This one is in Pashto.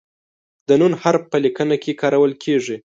د "ن" حرف په لیکنه کې کارول کیږي.